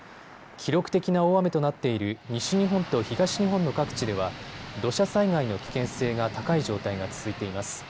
記録的な大雨となっている西日本と東日本の各地では土砂災害の危険性が高い状態が続いています。